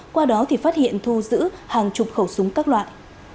qua đó thì phát hiện thu giữ hàng chục khẩu súng các loại